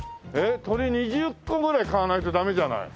鳥居２０個ぐらい買わないと駄目じゃない。